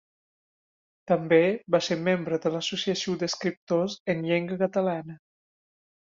També va ser membre de l'Associació d'Escriptors en Llengua Catalana.